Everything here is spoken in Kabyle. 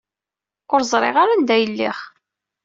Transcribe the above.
Ur ẓriɣ ara anda ay lliɣ.